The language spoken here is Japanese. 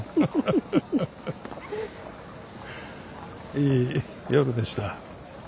いい夜でした。